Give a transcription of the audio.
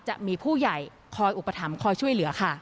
จะมีผู้ใหญ่คอยอุปถัมภ์คอยช่วยเหลือค่ะ